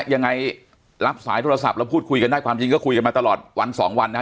ยังไงรับสายโทรศัพท์แล้วพูดคุยกันได้ความจริงก็คุยกันมาตลอดวันสองวันนะฮะ